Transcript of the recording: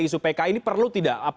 isu pki ini perlu tidak